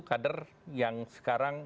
kader yang sekarang